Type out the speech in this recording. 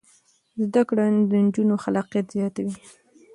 زده کړه د نجونو خلاقیت زیاتوي.